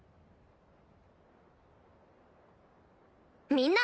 みんな！